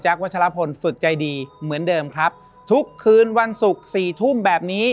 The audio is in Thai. วัชลพลฝึกใจดีเหมือนเดิมครับทุกคืนวันศุกร์สี่ทุ่มแบบนี้